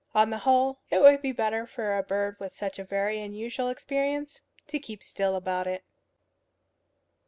On the whole, it would be better for a bird with such a very unusual experience to keep still about it.